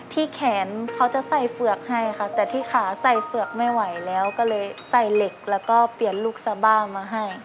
ที่แขนเขาจะใส่เฝือกให้ค่ะแต่ที่ขาใส่เฝือกไม่ไหวแล้วก็เลยใส่เหล็กแล้วก็เปลี่ยนลูกซาบ้ามาให้